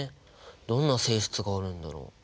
どんな性質があるんだろう？